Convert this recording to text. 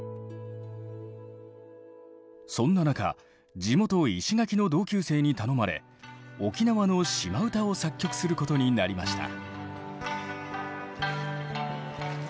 そんな中地元石垣の同級生に頼まれ沖縄の島唄を作曲することになりました。